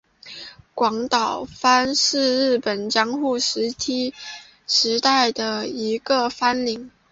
广岛藩是日本江户时代的一个藩领。